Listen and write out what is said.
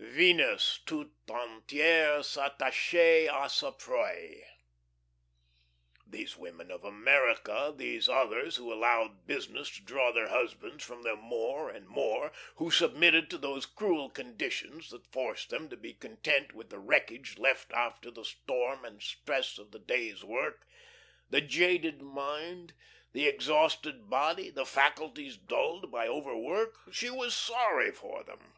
Venus toute entiere s'attachait a sa proie. These women of America, these others who allowed business to draw their husbands from them more and more, who submitted to those cruel conditions that forced them to be content with the wreckage left after the storm and stress of the day's work the jaded mind, the exhausted body, the faculties dulled by overwork she was sorry for them.